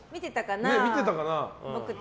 見てたかな。